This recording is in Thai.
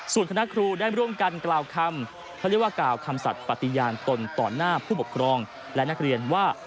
ส่วนคณะครูได้ร่วมกันกล่าวคำคำสัตว์ปฏิญาณตนต่อหน้าผู้บกรองและนักเรียนว่า